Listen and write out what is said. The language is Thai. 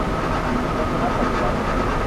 โดยคณะปฏิวัติ